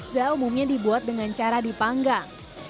za umumnya dibuat dengan cara dipanggang